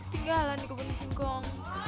ketinggalan di kebun singkong